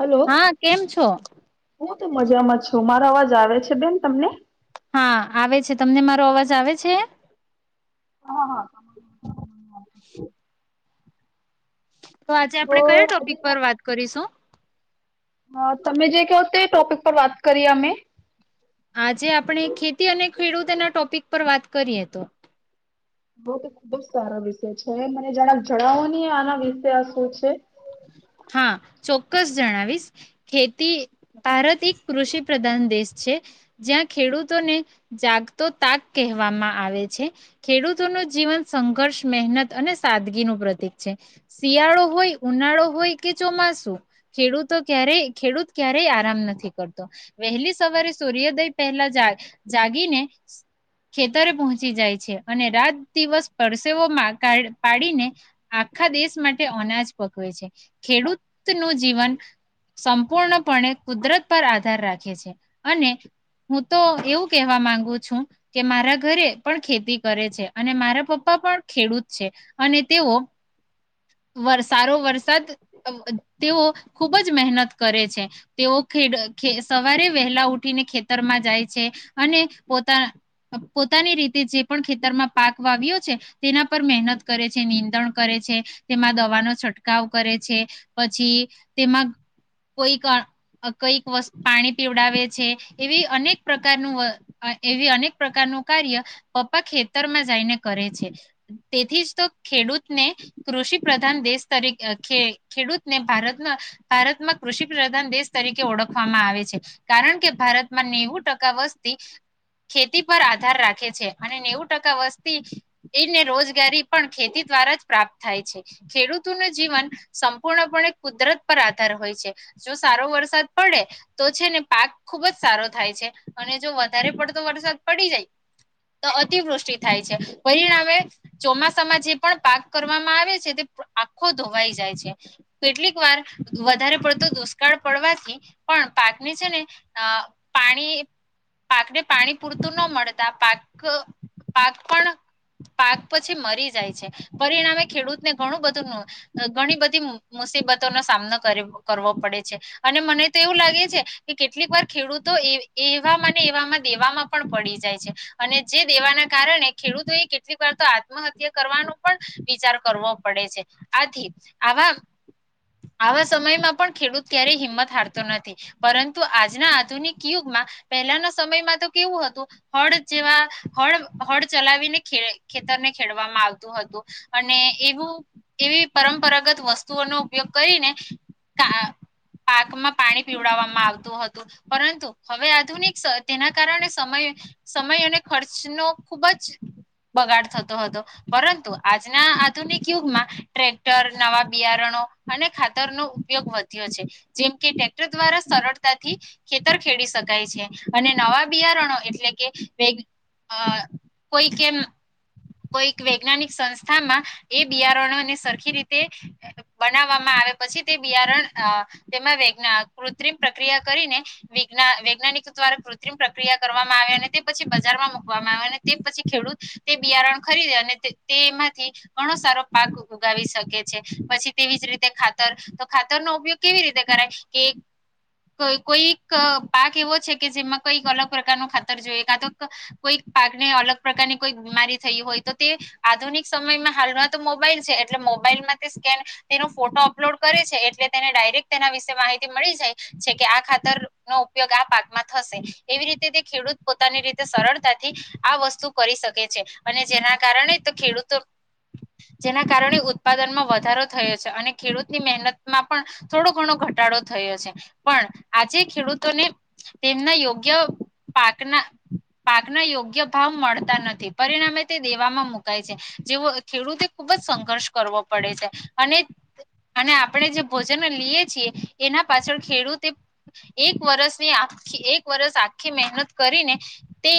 Hello હા કેમ છો. હું તો મજામાં છું મારો અવાજ આવે છે બેન તમને. હા આવે છે તમને મારો અવાજ આવે છે. હા હા. તો આજે આપણે કયા ટોપિક પર વાત કરીશું. હા તમે જે કહો તે ટોપિક પર વાત. કરીએ અમે આજે આપણે ખેતી અને ખેડૂતના ટોપિક પર વાત કરીએ તો. ઓકે બો ખુબ જ સારા વિષય છે મને જણાવો ની આના વિશે આ શું છે. હા ચોક્કસ જણાવીશ ખેતી ભારત એક કૃષિ પ્રધાન દેશ છે જ્યાં ખેડૂતોને જાગતો તાક કહેવામાં આવે છે ખેડૂતો ન જીવન સંઘર્ષ મહેનત અને સાદગી નું પ્રતિક છે શિયાળો હોય ઉનાળો હોય. ચોમાસું ખેડૂતો ક્યારેય ખેડૂત ક્યારેય આરામ નથી કરતો વહેલી સવારે સૂર્યોદય પહેલા જાગીને ખેતરે પહોંચી જાય છે અને રાત દિવસ પરસેવોમાં પાડીને આખા દેશ માટે અનાજ પકવે છે. ખેડૂતનું જીવન સંપૂર્ણપણે કુદરત પર આધાર રાખે છે અને હું તો એવું કહેવા માંગુ છું કે મારા ઘરે પણ ખેતી કરે છે અને મારા પપ્પા પણ ખેડૂત છે અને તેઓ સારો વરસાદ. તેઓ ખુબ જ મહેનત કરે છે તેઓે સવારે વહેલા ઉઠીને ખેતરમાં જાય છે અને પોતા પોતાની રીતે જે પણ ખેતરમાં પાક વાવ્યો છે તેના પર મહેનત કરે છે નિનીંદણ કરે છે તેમાં દવાનો છંટકાવ કરે છે. પછી તેમાં કોઈક કઈકત પાણી પીવડાવે છે એવી અનેક પ્રકારનું એવી અનેક પ્રકારનું કાર્ય પપ્પા ખેતરમાં જઈને કરે છે તેથી જ તો ખેડૂતને કૃષિ પ્રધાન દેશ તરીકે. ખેડૂતને ભારમાં ભારતમાં કૃષિ પ્રધાન દેશ તરીકે ઓળખવામાં આવે છે, કારણ કે ભારતમાં નેવું ટકા વસ્તી ખેતી પર આધાર રાખે છે અને નેવું ટકા વસ્તી એને રોજગારી પણ ખેતી દ્વારા જ પ્રાપ્ત થાય છે. ખેડૂતોનું જીવન સંપૂર્ણપણે કુદરત પર આધાર હોય છે જો સારો વરસાદ પડે તો છે ને પાક ખુબ જ સારો થાય છે અને જો વધારે પડતો વરસાદ પડી જાય તો અતિવૃષ્ટિ થાય છે પરિણામે ચોમાસામાં જે પણ પાક કરવામાં આવે છે તે આખો ધોવાઈ જાય છે. કેટલીક વાર વધારે પડતો દુષ્કાળ પડવાથી પણ પાકને છે ને પાણી પાકને પાણી પૂરતું ન મળતા પાક પાક પણ પાક પછી મરી જાય છે પરિણામે ખેડૂતને ઘણું બધું ન ઘણી. મુસીબતોનોો સામનો કરવો પડે છે અને મને તો એવું લાગે છે કે કેટલીક વાર ખેડૂતો એવા મને એવામાં દેવામાં પણ પડી જાય છે અને જે દેવાના કારણે ખેડૂતો એ કેટલીક વાર તો આત્મહત્યા કરવાનો પણ વિચાર કરવો પડે છે આથી. આ આવા સમયમાં પણ ખેડૂત ક્યારેય હિંમત હારતો નથી પરંતુ આજના આધુનિક યુગમાં પહેલાના સમયમાં તો કેવું હતું હળ જેવા હળ હળ ચલાવીને ખેતરને ખેડવામાં આવતું હતું અને એવું એવી પર. પરગત વસ્તુઓનો ઉપયોગ કરીને પાકમાં પાણી પીવડાવવામાં આવતું હતું પરંતુ હવે આધુનિક તેના કારણે સમય સમય અને ખર્ચનો ખુબ જ બગાડ થતો હતો પરંતુ આજના આધુનિક યુગમાં ટક. નવા બિયારણો અને ખાતરનોો ઉપયોગ વધ્યો છે જેમ કે ટટેક્ટર દ્વારા સરળતાથી ખેતર ખેડી શકાય છે અને નવા બિયારણો એટલે કે કોઈ કેમ કોઈક વૈજ્ઞાનિક સંસ્થામાં એ બિયારણોને સરખ. રી બનાવવામાં આવે પછી તે બિયારણ તેમાં વ કૃત્રિમ પ્રક્રિયા કરીનેજ્ વૈજ્ઞાનિકો દ્વારા કૃત્રિમ પ્રક્રિયા કરવામાં આવે અને તે પછી બજારમાં મુૂકવામાં આવે અને તે પછી ખેડૂત તે બિયારણ ખરીદે અને તેમાંથી ઘણો સારો પાક. ગાવકે પછી તેવી જ રીતે ખાતર તો ખાતર ન ઉપયોગ કેવી રીતે કરાય કે કોઈક પાક એવો છે કે જેમાં કઈક અલગ પ્રકાર ન ખાતર જોઈએ કા તો કોઈક પાકને અલગ પ્રકારની કોઈ બીમારી થય હોય તો તે આધુનિક સમયમાં હાલમાં તો મોબાઈલ છે. મોબાઈલમાં સ્કેન તેનો ફોટો અપલોડ કરે છે એટલે તેને ડાયરેક્ટ તેના વિશે માહિતી મળી જાય છે કે આ ખાતરનોો ઉપયોગ આ પાકમાં થશે એવી રીતે તે ખેડૂત પોતાની રીતે સરળતાથી આ વસ્તુ કરી શકે છે અને જેના કારણે તો ખેડૂતો. કારણે ઉત્પાદનમાં વધારો થયો છે અને ખેડૂતની મહેનતમાં પણ થોડો ઘણો ઘટાડો થયો છે પણ આજે ખેડૂતોને તેમના યોગ્ય પાકના પાકના યોગ્ય ભાવ મળતા નથી પરિણામે તે દેવામાં મુકાય છે જેવો ખેડૂતે ખૂબ જ. સંઘર્ષ કરવો પડે છે અને અને આપણે જે ભોજન લઈએ છીએ એના પાછળ ખેડૂતે એક વર્ષની આ એક વરષ આખી મહેનત કરીને તે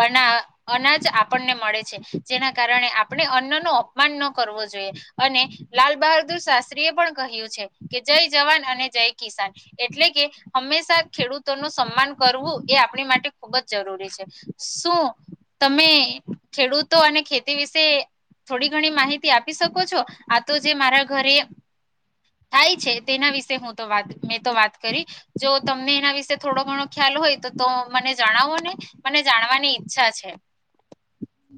બના અનાજ આપણને મળે છે જેના કારણે આપણે અન્નનો. કરવો જોઈએ અને લાલ બહાદુર શાસ્ત્રી એ પણ કહ્યું છે કે જય જવાન અને જય કિસાન એટલે કે હંમેશા ખેડૂતો નું સન્માન કરવું એ આપણી માટે ખૂબ જ જરૂરી છે શું તમે ખેડૂતો અને ખેતી વિશે થોડીક. ઘણી માહિતી આપી શકો છો આ તો જે મારા ઘરે થાય છે તેના વિશે હું તો વાત મેં તો વાત કરી જો તમને એના વિશે થોડો ઘણો ખ્યાલ હોય તો તો મને જણાવો ને મને જાણવાની ઈચ્છા છે.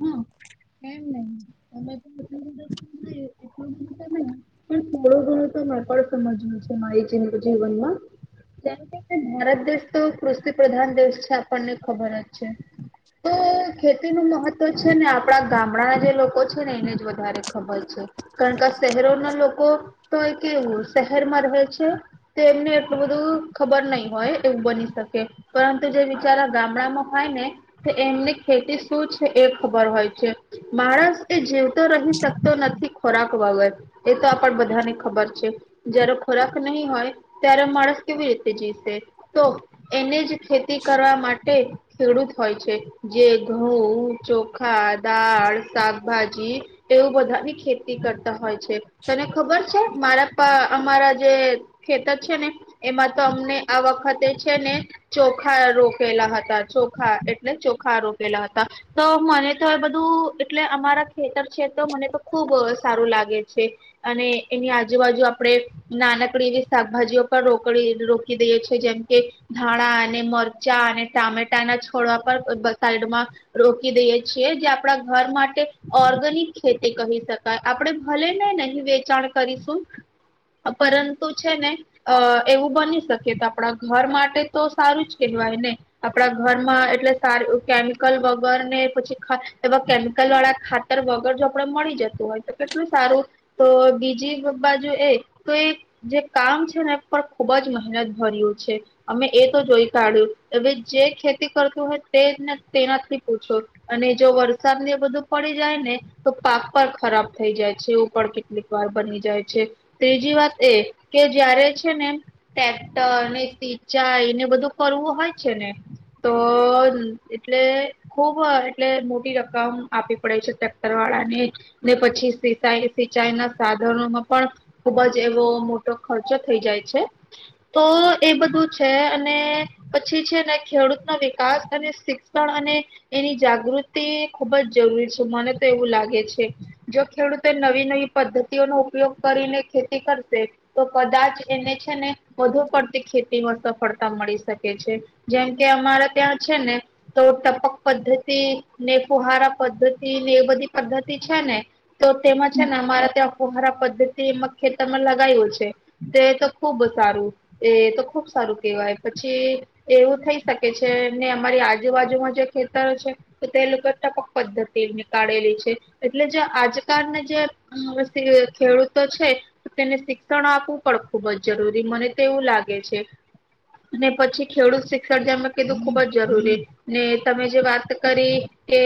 કેમ ન અ તો ન પણ થોડું ઘણું તો મે પણ સમજ્યુંું છે મારી જીવનમાં જે ભારત દેશ તો કૃષિ પ્રધાન દેશ છે આપણને ખબર જ છે તો ખેતીનું મહત્વ. તો છે ને આપણા ગામડાના જે લોકો છે ને એને જ વધારે ખબર છે કારણ કે શહેરોના લોકો તો એ કેવું શહેરમાં રહે છે એમને એટલું બધું ખબર નહી હોય એવું બની શકે પરંતુ જે બચારા ગામડામાં હોય ને તો એમને ખેતી શું એ ખબર હોય છે મહારાષ એ જેવ તો રહી શકતો નથી ખોરાક વગર એ તો આપણ બધાને ખબર છે જય્યારે ખોરાક નહી હોય ત્યારે માણસ કેવી રીતે જીવશે તો એને જ ખેતી કરવા માટે ખેડૂત હોય છે જે ઘઉં ચોખા દાળ શાકભાજી એવું બધાની ખેતી કરતા હોય છે તને ખબર છે મારા અમારા જે ખેતર છે ને એમાં તો અમને આ વખતે છે ને ચોખા રોકેલા હતા ચોખા એટલે ચોખા રોકેલા હતા તો મને તો આ બધું એટલે અમારા ખેતર છે તો મને તો ખુબ સારું લાગે છે અને એની આજુબાજુ આપણે નાનકડી એવી શાકભાજીઓ પણ રોકડી રોકી દઈએ છેીએ જેમ કે ધાણા અને મરચાં અને ટામેટાના છોડવા પર સાઈડમાં રોકી દઈએ છીએ જે આપણા ઘર માટે ઓર્ગેનિક ખેતી કહી શકાય આપણે ભલે નને અહી વેચાણ કરીશું પરંતુ છે ને એવું બની શકી તો આપણા ઘર માટે તો સારું જ કહેવાય ને આપણા ઘરમાં એટલે સારું કેમિકલ વ વર પછી એ કેમિકલ વાળા ખાતર વગર જો આપડે મળી જતું હોય તો કેટલું સારું તો બીજી બાજુ એ તો એ જે કામ છે ને પણ ખુબ જ મહેનત ભર્યું છે અમે એ તો જોઈ કાઢ્યું હવે જે ખેતી કરતું હોય તેને તેનાથી અને જો વરસાદ ને બધું પડી જાય ને તો પાક પણ ખરાબ થઈ જાય છે ઉપર કેટલીક વાર બની જાય છે ત્રીજી વાત એ કે જયારે છે ને ટ્રેક્ટર અને સિંચાઈ એને બધું કરવું હોય છે ને તો એટલે ખૂબ એટલે મોટી રકમ આપી પડે છે ટ્રેક્ટર વાળા ને ને પછી સિચાઈ સિંચાઈ ના સાધનોમાં પણ ખૂબ જ એવો મોટો ખર્ચો થઈ જાય છે તો એ બધું છે અને પછી છે ને ખેડૂત ન વિકાસ અને શિક્ષણ અને એની જાગૃતિ ખુબ જ જરૂરી છે મને તો એવું લાગે છે જો ખેડૂતો નવી નવી પદ્ધતિઓનોો ઉપયોગ કરીને ખેતી કરશે તો કદાચ એને છે ને વધુ પડતી ખેતીમાં સફળતા મળી શકે છે જેમ કે અમારે ત્યાં છે ને તો ટપ પદ્ધતિ ને ફુહારા પદ્ધતિ ને એ બધી પદ્ધતિ છે ને તો તેમાં હમ છે ને અમારા ત્યાં ફુહારા પદ્ધતિ એમાં ખેતરમાં લગાવું છે તે તો ખુબ સારું એ તો ખુબ સારું કેહેવાય પછી એવું થઈ શકે છે ને અમારી આજુબાજુમાં જે ખેતરો છે તે ટાપક પદ્ધતિ ની કળેલી છે એટલે જે આજકાલને જે ખેડૂતો છે તેને શિક્ષણ આપવું પણ ખુબ જ જરૂરી મને તે એવું લાગે છે ને પછી ખેડૂત શિક્ષણ જે મે કીધું ખુબ જ જરૂરી ને તમે જે વાત કરી કે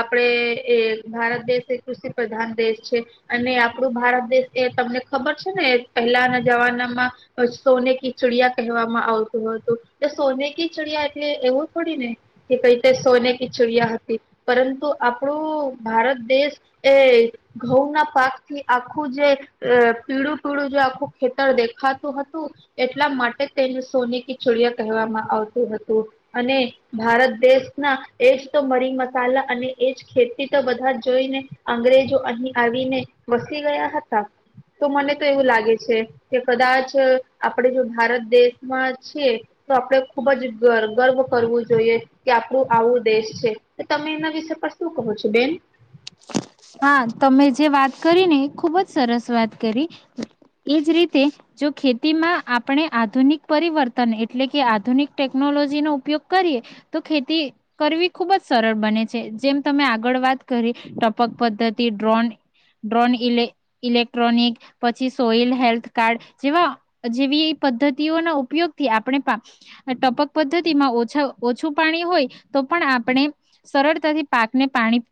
આપણેે એ ભારત દેશ એ કૃષિ પ્રધાન દેશ છે અને આપણું ભારત દેશ એ તમને ખબર છે ને પહેલાના જમાનામાં સોનેકી ચિડિયા કહેવામાં આવતું હતું તો સોનેકી ચિડિયા એટલે એવું થોડી ને કે કઈ સોને કી ચુડિયા હતી પરંતુ આપણું ભારત દેશ એ ઘઉં ના પાકથી આખું જે પીળું પીળું જે આખું ખેતર દેખાતું હતું એટલા માટે તેને સોને કી ચુડિયા કહેવામાં આવતું હતું અને ભારત દેશના એજ તો મરી મસાલા અને એજ ખેતી તો બધા જોઈને અંગ્રેજો અહી આવીને વસી ગયા હતા તો મને તો એવું લાગે છે કે કદાચ આપણે જો ભારત દેશમાં છીએ તો આપણે ખુબ જ ગર્વ કરવું જોઈએ કે આપણું આવું દેશ છે તમે એના વિષ પર શું કહો છો બેન હા તમે જે વાત કરી ને ખુબ જ સરસ વાત કરી એજ રીતે જો ખેતીમાં આપણે આધુનિક પરિવર્તન એટલે કે આધુનિક ટેકનોલોજીનો ઉપયોગ કરીએ તો ખેતી કરવી ખુબ જ સરળ બને છે જેમ તમે આગળ વાત કરી ટપક પદ્ધતિ ડ્રોન ડ્રોન ઇલે ઇલેક્ટ્રોનિક પછી સોયલ હેલ્થ કાર્ડ જેવા જેવી પદ્ધતિઓ ના ઉપયોગથી આપણે ટપક પદ્ધતિમાંછ ઓછું પાણી હોય તો પણ આપણે સરળતાથી પાકને પાણી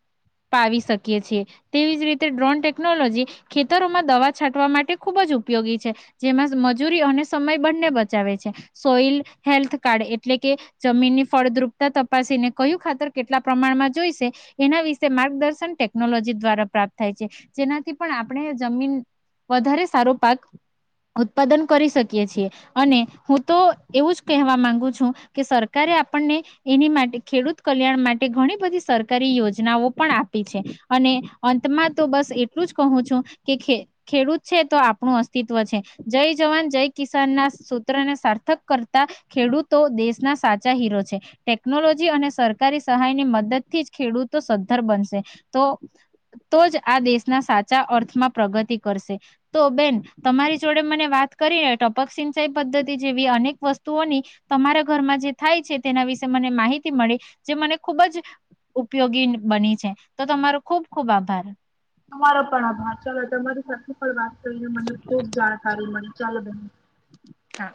પાવી શકીએ છીએ તેવી જ રીતે ડ્રોન ટેકનોલોજી ખેતરોમાં દવા છાંટવા માટે ખુબ જ ઉપયોગી છે જેમાં મજૂરી અને સમય બંને બચાવે છે સોઈલ હેલ્થ કાર્ડ એટલે કે જમીનની ફળદ્રુપતા તપાસીને કયું ખાતર કેટલા પ્રમાણમાં જોઈશે એના વિશે માર્ગદર્શન ટેકનોલોજી દ્વારા પ્રાપ્ત થાય છે જેનાથી પણ આપણે જમીન વધારે સારો પાક ઉત્પાદન કરી શકીએ છીએ અને હું તો એવું જ કહેવા માંગુ છું કે સરકારે આપણને એની માટે ખેડૂત કલ્યાણ માટે ઘણી બધી સરકારી યોજનાઓ પણ આપિ છે અને અંતમાં તો બસ એટલું જ કહું છું કે ખેડૂત છે તો આપણું અસ્તિત્વ છે જય જવાન જય કિસાન ના સૂત્રને સાર્થક કરતા ખેડૂતો દેશના સાચા હીરો છે ટેકનોલોજી અને સરકારી સહાય ની મદદ થી જ ખેડૂતો સાઘર બનશે તો તો જ આ દેશના સાચા અર્થમાં પ્રગતિ કરશે તો બેન તમારી જોડે મને વાત કરીને ટપક સિંચાઈ પદ્ધતિ જેવી અનેક વસ્તુઓની તમારા ઘરમાં જે થાય છે તેના વિશે મને માહિતી મળી જે મને ખુબ જ ઉપયોગી બની છે તો તમારો ખુબ ખુબ આભાર તમારો પણ આભાર ચાલ તમારી સાથે વાત કરી મને ખૂબ જાણકારી મને ચાલ બેન હા